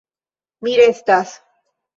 Mi restas!